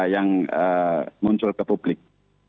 yang muncul ke publik